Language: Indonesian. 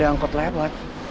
jangan ada angkot lewat